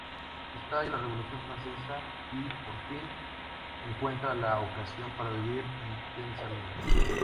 Estalla la Revolución francesa y, por fin, encuentra la ocasión para vivir intensamente.